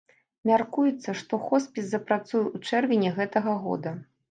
Мяркуецца, што хоспіс запрацуе ў чэрвені гэтага года.